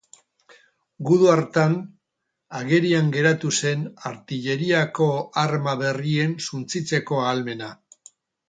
Gudu hartan agerian geratu zen artilleriako arma berrien suntsitzeko ahalmena.